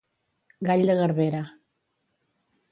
Gall de garbera.